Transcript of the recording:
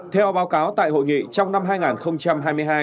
theo báo cáo tại hội nghị trong năm hai nghìn hai mươi hai